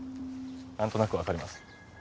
何となく分かります。